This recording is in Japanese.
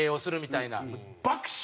爆笑！